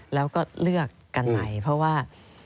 แล้วก็เลือกกันใหม่เพราะว่า